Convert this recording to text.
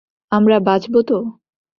আমরা বাঁচবো তো?